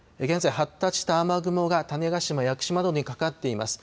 現在、発達した雨雲が種子島、屋久島にかかっています。